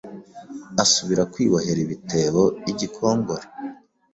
asubira kwibohera ibitebo i Gikongoro